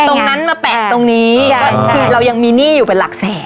แล้วอีบมาเปล่าตรงนี้คือเรายังมีหนี้อยู่เป็นหลักแสน